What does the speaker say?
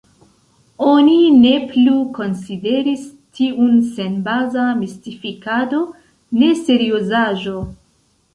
Oni ne plu konsideris tiun senbaza mistifikado, neseriozaĵo.